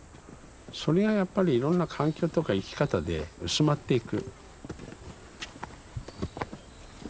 それがやっぱりいろんな環境とか生き方で薄まっていく。